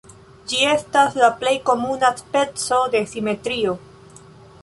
Ĝi estas la plej komuna speco de simetrio.